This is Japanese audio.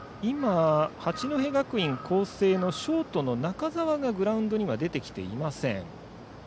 八戸学院光星のショートの中澤がグラウンドに出てきていません。